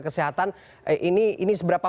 kesehatan ini seberapa